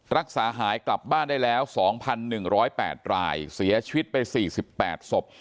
รักษาหายกลับบ้านได้แล้ว๒๑๐๘รายเสียชีวิตไป๔๘ศพ